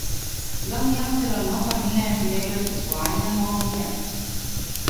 لم يهطل المطر هنا خلال الإسبوعين الماضيين.